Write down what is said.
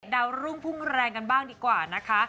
ดาวรุ่งพุ่งแรงกันบ้างดีกว่านะคะ